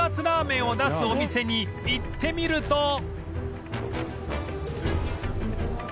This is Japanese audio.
ラーメンを出すお店に行ってみると